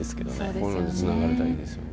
こういうのでつながれたらいいですよね。